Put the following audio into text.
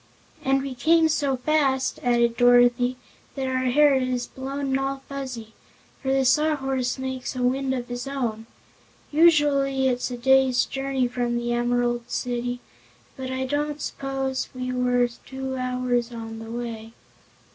"And we came so fast," added Dorothy, "that our hair is blown all fuzzy, for the Sawhorse makes a wind of his own. Usually it's a day's journey from the Em'rald City, but I don't s'pose we were two hours on the way."